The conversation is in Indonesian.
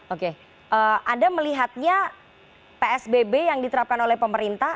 oke anda melihatnya psbb yang diterapkan oleh pemerintah